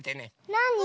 なに？